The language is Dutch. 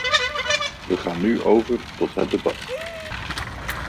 We gaan nu over tot het debat.